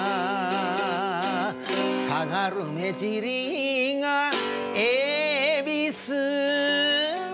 「下がる目じりがえびす顔」